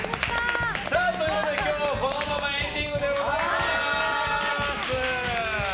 今日はこのままエンディングでございます。